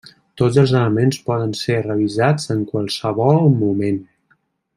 Tots els elements poden ser revisats en qualsevol moment.